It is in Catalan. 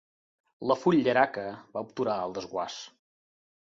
La fullaraca va obturar el desguàs.